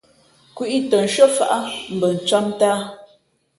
Kweʼ ī tα nshʉ́ά faʼá ncām mbα ncām ntāā.